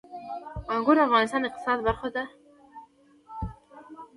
انګور د افغانستان د اقتصاد برخه ده.